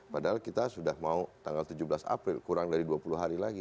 padahal kita sudah mau tanggal tujuh belas april kurang dari dua puluh hari lagi